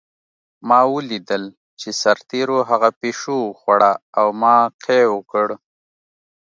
ما ولیدل چې سرتېرو هغه پیشو وخوړه او ما قی وکړ